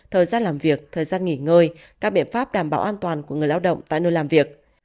thời gian làm việc thời gian nghỉ ngơi các biện pháp đảm bảo an toàn của người lao động tại nơi làm việc